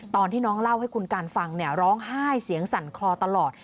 ตอนที่น้องเล่าให้คุณการฟังเนี่ยร้องไห้เสียงสั่นคลอตลอด